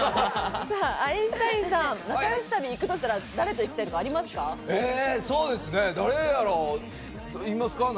アインシュタインさん、仲良し旅、行くとしたら誰と行きますか？